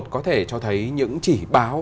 có thể cho thấy những chỉ báo